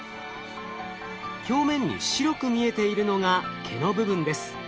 表面に白く見えているのが毛の部分です。